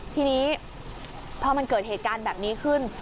ทีนี้พอมันเกิดเหตุการณ์แบบนี้ขึ้น